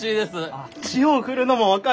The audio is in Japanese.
あっ塩を振るのも分かる！